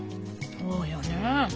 そうよね。